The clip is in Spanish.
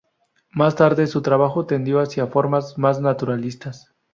Más tarde, su trabajo tendió hacia formas más naturalistas.